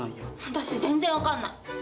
私全然分かんない。